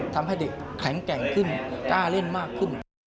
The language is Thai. ทำให้เด็กแข็งแกร่งขึ้นกล้าเล่นมากขึ้น